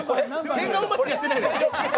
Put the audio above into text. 「変顔マッチ」やってないのよ。